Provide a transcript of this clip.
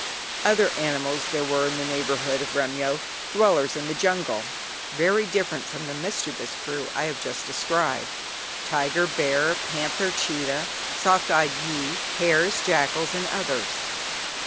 Other animals there were in the neighbourhood of Remyo, dwellers in the jungle, very different from the mischievous crew I have just described. Tiger, bear, panther, cheetah, soft eyed gyee, hares, jackals, and others.